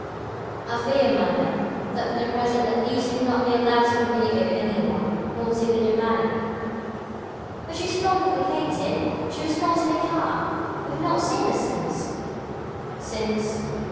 "I fear, madame, that for the present at least you cannot be allowed to communicate with any one, not even with your maid." "But she is not implicated; she was not in the car. I have not seen her since " "Since?"